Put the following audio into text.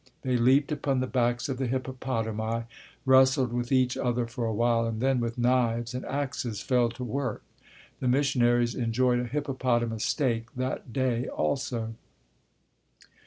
They leaped upon the backs of the hippopotami, wrestled with each other for a while, and then with knives and axes fell to work. The missionaries enjoyed a hippopotamus steak that day also.